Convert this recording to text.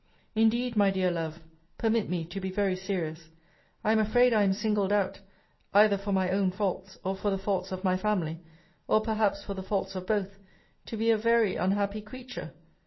Indeed, my dear love, [permit me to be very serious,] I am afraid I am singled out (either for my own faults, or for the faults of my family, or perhaps for the faults of both) to be a very unhappy creature!